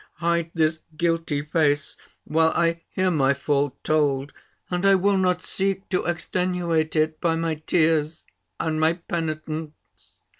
hide this guilty face, while I hear my fault told; and I will not seek to extenuate it, by my tears, and my penitence."